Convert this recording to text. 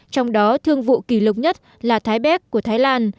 trong đó thương vụ kỷ lục nhất là thái béc của thái lan